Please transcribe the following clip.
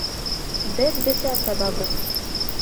Беҙ бесән сабабыҙ